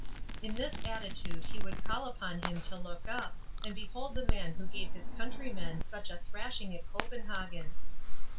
In this attitude he would call upon him to look up, and behold the man who gave his countrymen such a thrashing at Copen hagen.